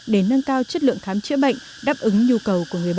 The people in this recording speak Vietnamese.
để nâng cao chất lượng khám chữa bệnh đáp ứng nhu cầu của người bệnh